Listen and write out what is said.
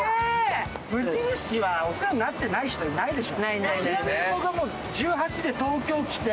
無印はお世話になってない人いないでしょ。